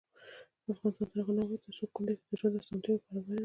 افغانستان تر هغو نه ابادیږي، ترڅو کونډې ته د ژوند اسانتیاوې برابرې نشي.